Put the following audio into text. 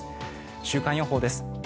週間予報です。